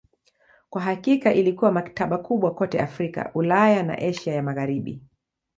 Kwa hakika ilikuwa maktaba kubwa kote Afrika, Ulaya na Asia ya Magharibi.